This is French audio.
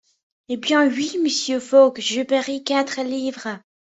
Et bien, oui, Monsieur Fogg, je parie quatre livres !